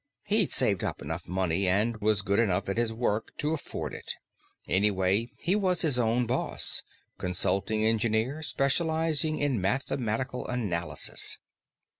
He'd saved up enough money, and was good enough in his work, to afford it; anyway, he was his own boss consulting engineer, specializing in mathematical analysis.